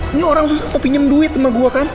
ini orang susah mau pinjem duit sama gue kan